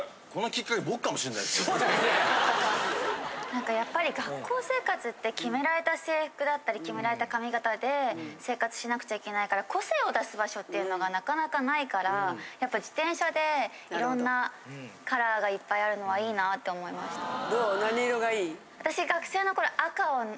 何かやっぱり学校生活って決められた制服だったり決められた髪形で生活しなくちゃいけないから個性を出す場所っていうのがなかなかないからやっぱ自転車でいろんなカラーがいっぱいあるのはいいなって思いました。